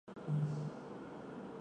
伦理审查委员会